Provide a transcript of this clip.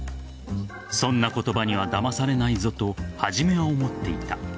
そんな言葉にはだまされないぞと初めは思っていた。